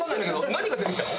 何が出てきたの？